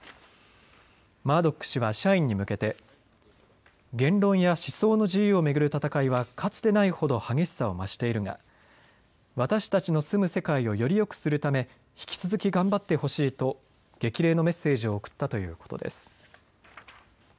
マードック氏は社員に向けて言論や思想の自由を巡る戦いはかつてないほど激しさを増しているが私たちの住む世界をよりよくするため、引き続き頑張ってほしいと激励のメッセージを送ったということです。